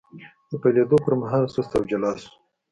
د پیلېدو پر مهال سست او جلا شو،